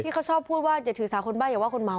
ที่เค้าความพูดว่าอย่าถือสาคนบ้างอย่าว่าคนเมา